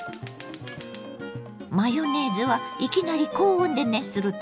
マヨネーズはいきなり高温で熱すると分離しやすいの。